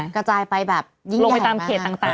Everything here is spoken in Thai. กระจายไปยิ่งใหญ่มาก